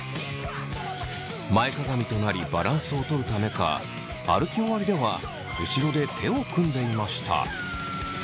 前かがみとなりバランスをとるためか歩き終わりでは後ろで手を組んでいました。